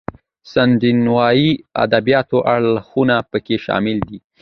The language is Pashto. د سکینډینیویايي ادبیاتو اړخونه پکې شامل دي.